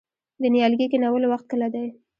د نیالګي کینولو وخت کله دی؟